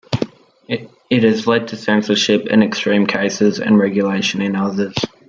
It has led to censorship in extreme cases, and regulation in others.